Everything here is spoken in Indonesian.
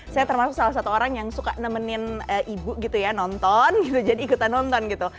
saya termasuk salah satu orang yang suka nemenin ibu gitu ya nonton gitu jadi ikutan nonton gitu